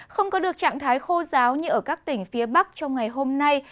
không có được trạng thái khô giáo như ở các tỉnh phía bắc trong ngày hôm nay